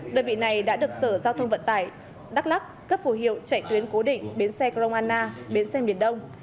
đơn vị này đã được sở giao thông vận tải đắk lắc cấp phù hiệu chạy tuyến cố định bến xe gromana bến xe miền đông